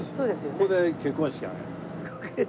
ここで結婚式を挙げた。